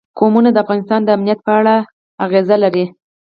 قومونه د افغانستان د امنیت په اړه هم اغېز لري.